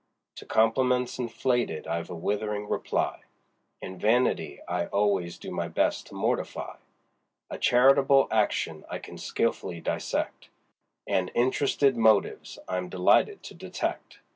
To compliments inflated I've a withering reply; And vanity I always do my best to mortify; A charitable action I can skilfully dissect: And interested motives I'm delighted to detect.